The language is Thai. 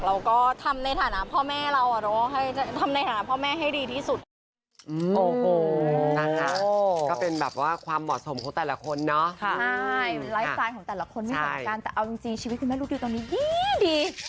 เราก็ทำในฐานะพ่อแม่เราให้ทำในฐานะพ่อแม่ให้ดีที่สุด